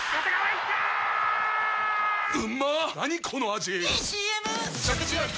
⁉いいＣＭ！！